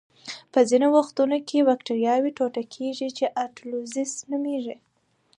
په ځینو وختونو کې بکټریاوې ټوټه کیږي چې اټولیزس نومېږي.